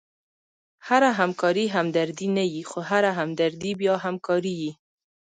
هره همکاري همدردي نه يي؛ خو هره همدردي بیا همکاري يي.